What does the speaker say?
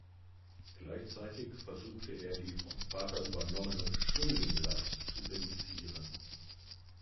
Gleichzeitig versuchte er, die vom Vater übernommene Schuldenlast zu reduzieren.